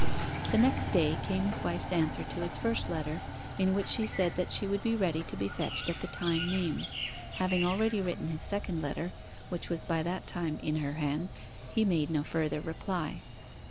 The next day came his wife's answer to his first letter, in which she said that she would be ready to be fetched at the time named. Having already written his second letter, which was by that time in her hands, he made no further reply.